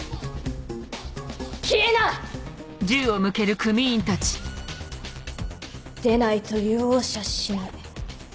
消えな！でないと容赦しない。